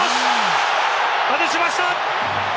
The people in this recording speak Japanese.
外しました。